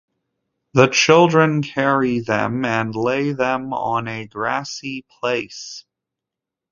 The children carry them and lay them on a grassy place.